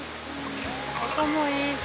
音もいいし。